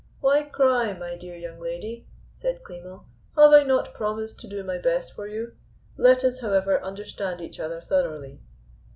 "Why cry, my dear young lady?" said Klimo. "Have I not promised to do my best for you? Let us, however, understand each other thoroughly.